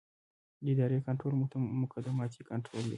د ادارې کنټرول مقدماتي کنټرول دی.